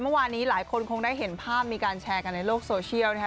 เมื่อวานนี้หลายคนคงได้เห็นภาพมีการแชร์กันในโลกโซเชียลนะฮะ